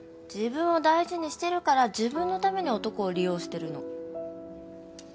自分を大事にしてるから自分のために男を利用してるの。